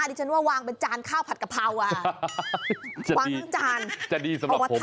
ดิฉันว่าวางเป็นจานข้าวผัดกะเพราอ่ะวางทั้งจานจะดีสำหรับ